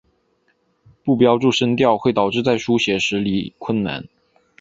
不标注声调会导致在书写时理困难。